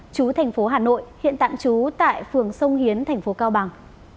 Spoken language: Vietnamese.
chú thành phố hà nội hiện tạm trú tại phường sông hiến thành phố cao bằng